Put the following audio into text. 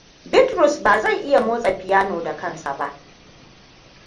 Bitrus ba zai iya motsa fiano da kansa ba.